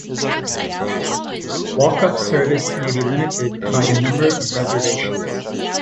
Walk-up service may be limited by the number of reservations.